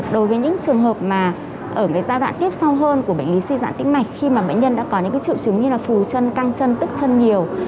đối với những trường hợp mà ở giai đoạn tiếp sau hơn của bệnh lý suy giãn tĩnh mạch khi mà bệnh nhân đã có những triệu chứng như là phù chân căng chân tức chân nhiều